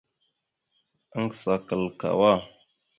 Aŋgəsa kal kawá.